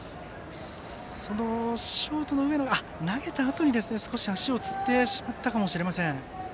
ショートの上野が投げたあとに足をつってしまったかもしれません。